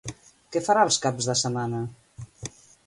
Què farà els caps de setmana?